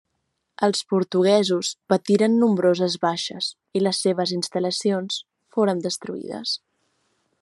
Els portuguesos patiren nombroses baixes i les seves instal·lacions foren destruïdes.